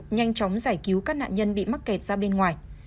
nhanh chóng giải cứu các nạn nhân bị mắc kẹt ra bên ngoài